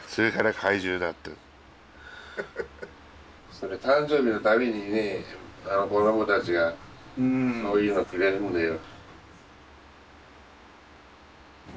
それ誕生日の度にね子供たちがそういうのくれるんだよ。